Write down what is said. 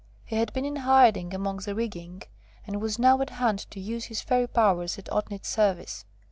He had been in hiding amongst the rigging, and was now at hand to use his Fairy powers in Otnit's service.